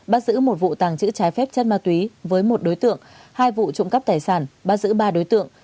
bắt giữ một vụ tàng trữ trái phép chất ma túy với một đối tượng hai vụ trộm cắp tài sản bắt giữ ba đối tượng